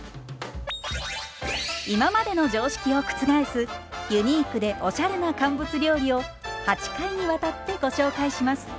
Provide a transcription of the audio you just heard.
今までの常識を覆すユニークでおしゃれな乾物料理を８回にわたってご紹介します。